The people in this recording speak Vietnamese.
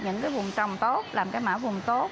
những cái vùng trồng tốt làm cái mở vùng tốt